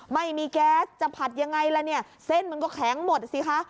ไม่มีแก๊สจะผัดอย่างไรล่ะเส้นมันก็แข็งหมดสิค่ะ